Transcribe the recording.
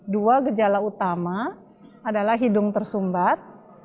dua gejala utama adalah hidung tersumbat